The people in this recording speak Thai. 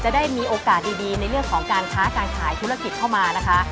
ได้มีโอกาสดีในเรื่องของการค้าการขายธุรกิจเข้ามานะคะ